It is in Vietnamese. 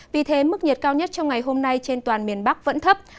vì thế mức nhiệt cao nhất trong ngày hôm nay trên toàn miền bắc vẫn thấp